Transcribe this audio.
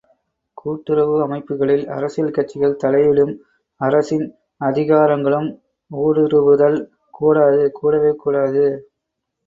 கூட்டுறவு அமைப்புகளில் அரசியல் கட்சிகள் தலையீடும், அரசின் அதிகாரங்களும் ஊடுருவுதல் கூடாது கூடவே கூடாது.